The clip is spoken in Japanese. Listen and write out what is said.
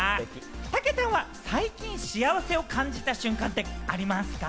たけたんは最近幸せを感じた瞬間ってありますか？